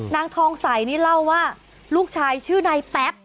นางทองใสนี่เล่าว่าลูกชายชื่อนายแป๊บ